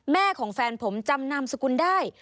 แม่ของแฟนผมจำนามสกุลได้